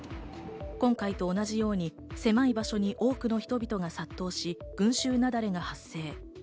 今回と同じように狭い場所に多くの人々が殺到し、群集雪崩が発生。